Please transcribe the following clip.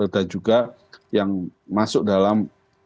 dan juga yang masuk dalam